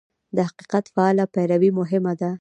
د حقیقت فعاله پیروي مهمه ده.